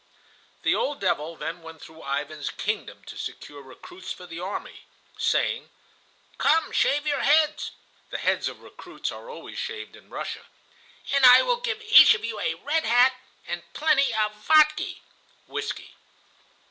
The old devil then went through Ivan's kingdom to secure recruits for the army, saying: "Come, shave your heads [the heads of recruits are always shaved in Russia] and I will give each of you a red hat and plenty of vodka" (whiskey).